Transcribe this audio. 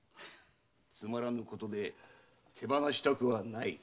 つまらぬことで手放したくはない！